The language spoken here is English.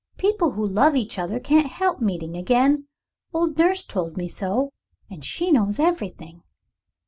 People who love each other can't help meeting again. Old nurse told me so, and she knows everything.